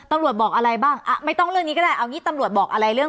ตำรวจบอกอะไรบ้างแบบงี้ขึ้นหน้าของน้องกาเนี่ย